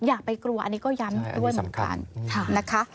อย่าไปกลัวอันนี้ก็ย้ำด้วยเหมือนกันนะคะ